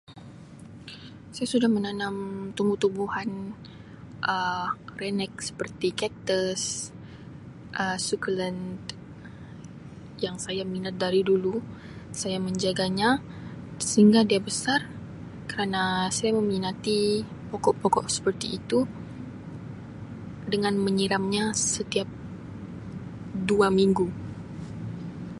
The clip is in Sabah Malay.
Saya sudah menanam tumbuh-tumbuhan renek Um seperti cactus Um succulent yang saya minat dari dulu saya menjaganya sehingga dia besar kerana saya meminati pokok-pokok seperti itu dengan menyiramnya setiap dua minggu.